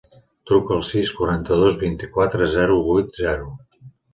Truca al sis, quaranta-dos, vint-i-quatre, zero, vuit, zero.